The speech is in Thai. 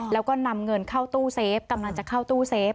แล้วก็นำเงินเข้าตู้เซฟกำลังจะเข้าตู้เซฟ